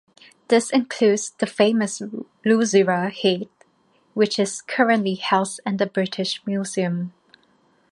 This includes the famous Luzira Head, which is currently housed in the British Museum.